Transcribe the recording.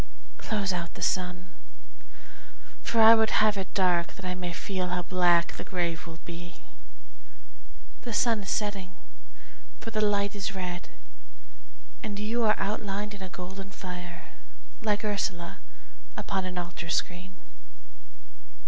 Close out the sun, for I would have it dark That I may feel how black the grave will be. The sun is setting, for the light is red, And you are outlined in a golden fire, Like Ursula upon an altar screen.